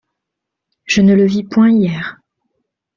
Je ne le vis point hier.